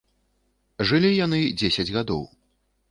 Жылі яны дзесяць гадоў.